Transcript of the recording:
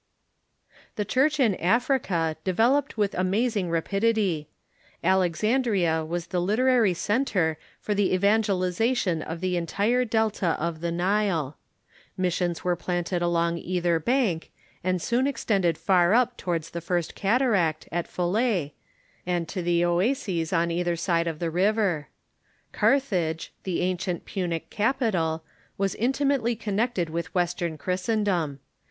The Church in Africa develoj^ed with amazing rapidity. Alexandria Avas the literary centre for the evangelization of the entire delta of the Nile. Missions were planted along either bank, and soon extended far up towards the first cataract, at Phihp, and to the oases on either side of the river. Carthage, the ancient Punic capital, was intimately connected with Western Christendom.